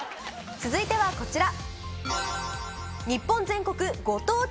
続いてはこちら。